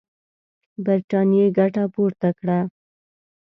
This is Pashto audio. برټانیې ګټه پورته کړه.